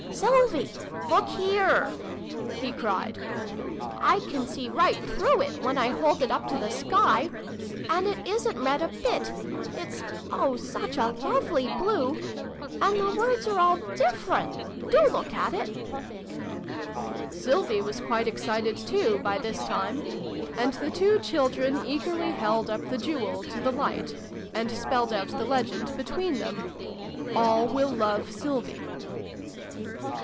"Sylvie! Look here!" he cried. " I can see right through it when I hold it up to the sky. And it isn't red a bit : it's, oh such a lovely blue ! And the words are all different ! Do look at it !" xxv] LIFE OUT OF DEATH. 409 Sylvie was quite excited, too, by this time ; and the two children eagerly held up the Jewel to the light, and spelled out the legend between them, " ALL WILL LOVE SYLVIE."